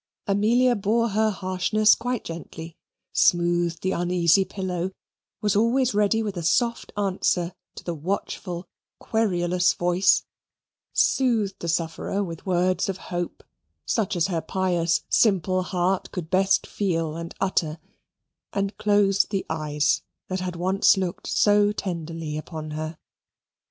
Amelia bore her harshness quite gently; smoothed the uneasy pillow; was always ready with a soft answer to the watchful, querulous voice; soothed the sufferer with words of hope, such as her pious simple heart could best feel and utter, and closed the eyes that had once looked so tenderly upon her.